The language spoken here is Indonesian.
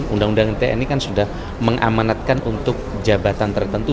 undang undang tni kan sudah mengamanatkan untuk jabatan tertentu